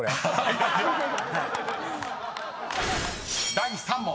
［第３問］